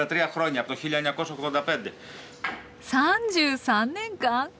３３年間？